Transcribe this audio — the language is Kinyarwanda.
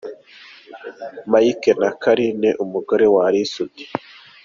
Mike na Carine ,umugore wa Ally Soudy.